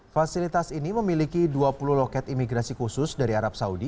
fasilitas ini memiliki dua puluh loket imigrasi khusus dari arab saudi